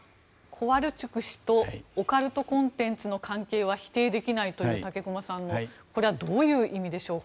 コワルチュク氏とオカルトコンテンツの関係は否定できないという武隈さんのこれはどういう意味でしょうか。